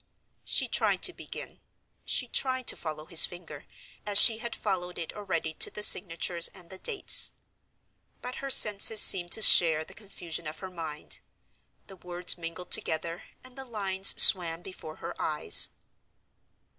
She tried to begin; she tried to follow his finger, as she had followed it already to the signatures and the dates. But her senses seemed to share the confusion of her mind—the words mingled together, and the lines swam before her eyes.